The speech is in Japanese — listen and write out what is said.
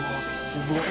すごい。